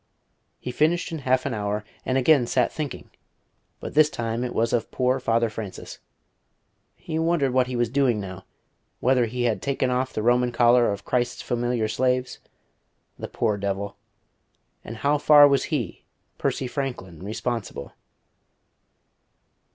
He finished in half an hour, and again sat thinking; but this time it was of poor Father Francis. He wondered what he was doing now; whether he had taken off the Roman collar of Christ's familiar slaves? The poor devil! And how far was he, Percy Franklin, responsible?